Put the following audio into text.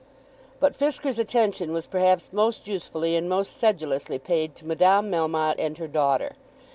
But Fisker's attention was perhaps most usefully and most sedulously paid to Madame Melmotte and her daughter.